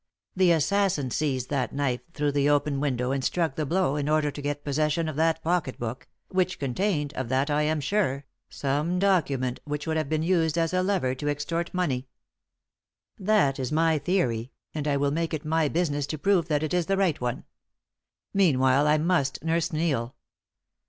The assassin seized that knife through the open window and struck the blow in order to get possession of that pocket book, which contained of that I am sure some document which would have been used as a lever to extort money. That is my theory, and I will make it my business to prove that it is the right one. Meanwhile, I must nurse Neil."